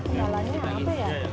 jalannya apa ya